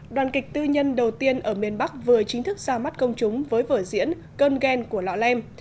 đoàn kịch tư nhân đầu tiên ở miền bắc vừa chính thức ra mắt công chúng với vở diễn cơn gen của lọ lem